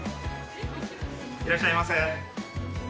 いらっしゃいませ。